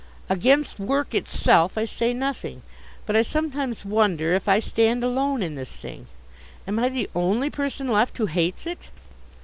Against work itself, I say nothing. But I sometimes wonder if I stand alone in this thing. Am I the only person left who hates it?